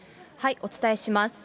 お伝えします。